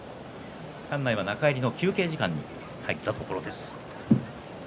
館内は中入りの休憩時間に入ったところです。